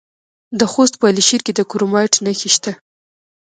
د خوست په علي شیر کې د کرومایټ نښې شته.